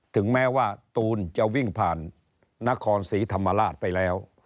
ถึงแม้ว่าตูนจะวิ่งผ่านนครศรีธรรมราชไปแล้ว